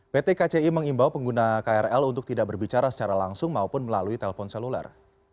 pt kci mengimbau pengguna krl untuk tidak berbicara secara langsung maupun melalui telepon seluler